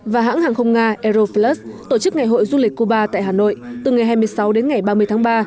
và hãng hàng không nga aeroflus tổ chức ngày hội du lịch cuba tại hà nội từ ngày hai mươi sáu đến ngày ba mươi tháng ba